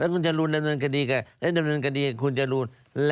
แล้วคุณเจรูนดำเนินกะดีแล้วคุณเจรูน